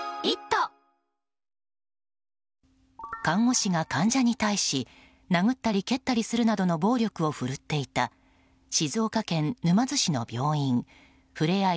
看護師が患者に対し殴ったり蹴ったりするなどの暴力をふるっていた静岡県沼津市の病院ふれあい